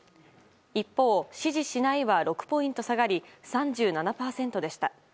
一方、支持しないは６ポイント下がり３７％でした。